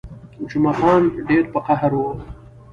جمعه خان ډېر په قهر وو.